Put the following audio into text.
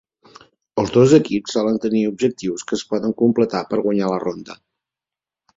Els dos equips solen tenir objectius que es poden completar per guanyar la ronda.